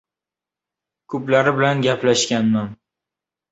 Ko'plari bilan gaplashganman.